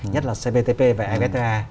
nhất là cptp và fta